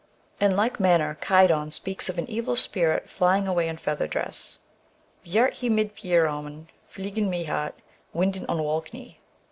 In like manner Caedmon speaks of an evil spirit flying away in feather dress: "fat he mid fe^erhomon fleogan meahte, windan on wolkne'* (Gen. ed.